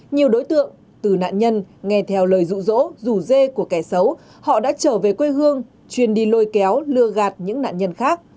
nhiều đối tượng từ nạn nhân nghe theo lời rụ rỗ rủ dê của kẻ xấu họ đã trở về quê hương chuyên đi lôi kéo lừa gạt những nạn nhân khác